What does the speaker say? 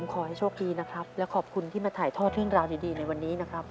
ขอให้โชคดีนะครับและขอบคุณที่มาถ่ายทอดเรื่องราวดีในวันนี้นะครับ